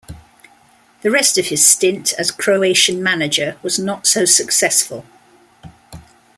The rest of his stint as Croatian manager was not so successful.